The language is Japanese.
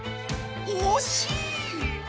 おしい！